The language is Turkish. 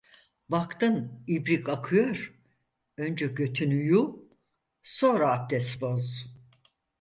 Baktın ibrik akıyor; önce götünü yu, sonra aptes boz.